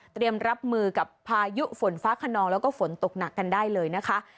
รับมือกับพายุฝนฟ้าขนองแล้วก็ฝนตกหนักกันได้เลยนะคะ